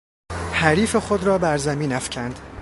حریف خود را بر زمین افکند.